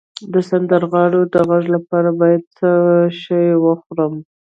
د سندرغاړو د غږ لپاره باید څه شی وخورم؟